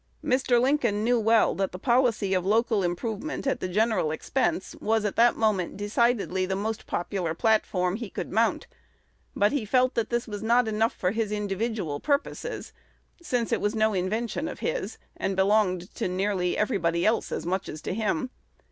Mr. Lincoln knew well that the policy of local improvement at the general expense was at that moment decidedly the most popular platform he could mount; but he felt that this was not enough for his individual purposes, since it was no invention of his, and belonged to nearly everybody else as much as to him.